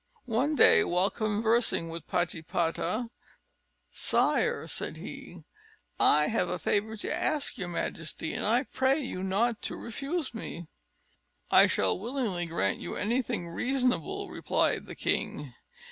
One day, while conversing with Patipata, "Sire," said he, "I have a favour to ask your majesty, and I pray you not to refuse me." "I shall willingly grant you anything reasonable," replied the king.